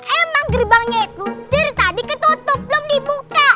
emang gerbangnya itu dari tadi ketutup belum dibuka